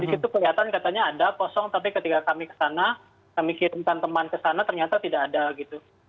di situ kelihatan katanya ada kosong tapi ketika kami kesana kami kirimkan teman ke sana ternyata tidak ada gitu